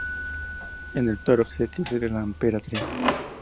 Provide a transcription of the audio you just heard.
En el tarot X es La Emperatriz.